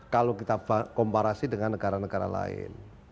kalau kita komparasi dengan negara negara lain